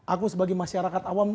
aku sebagai masyarakat awam